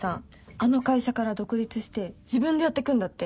あの会社から独立して自分でやってくんだって！